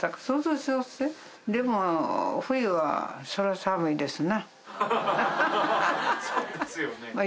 そうですよね。